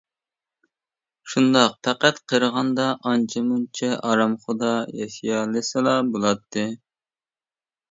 شۇنداق، پەقەت قېرىغاندا ئانچە-مۇنچە ئارامخۇدا ياشىيالىسىلا بۇلاتتى.